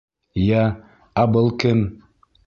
Йә, ә был кем?